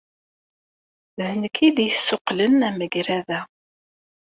D nekk ay d-yessuqqlen amagrad-a.